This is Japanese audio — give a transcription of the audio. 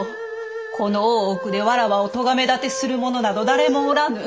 この大奥でわらわを咎め立てする者など誰もおらぬ。